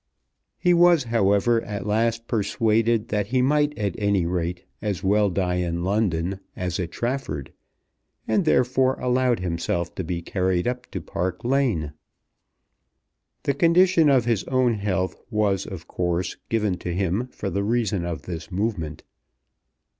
He was, however, at last persuaded that he might at any rate as well die in London as at Trafford, and, therefore, allowed himself to be carried up to Park Lane. The condition of his own health was, of course, given to him for the reason of this movement.